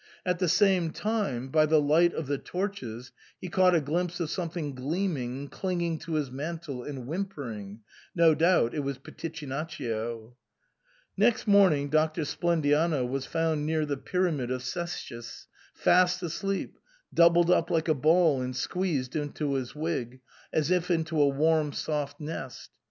At the same time, by the light of the torches, he caught a glimpse of something gleaming, clinging to his mantle and whimpering ; no doubt it was Pitichinaccio. Next morning Doctor Splendiano was found near the Pyramid of Cestius, fast asleep, doubled up like a ball and squeezed into his wig, as if into a warm soft nest.